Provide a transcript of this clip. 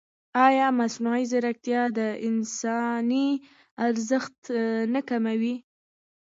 ایا مصنوعي ځیرکتیا د انساني کار ارزښت نه کموي؟